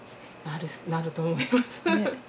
なると思います。